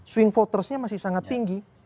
swing votersnya masih sangat tinggi